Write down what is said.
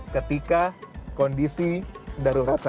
ketika kita menemukan keinginan untuk buang air kecil